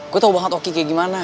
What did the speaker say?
gue tau banget oki kayak gimana